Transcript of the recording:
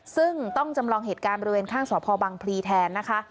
ซึ่งต้องจำลองเหตุการณ์บริเวณข้างสพบังพลีแทนนะคะ